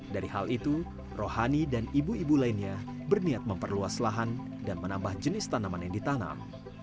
dari hal itu rohani dan ibu ibu lainnya berniat memperluas lahan dan menambah jenis tanaman yang ditanam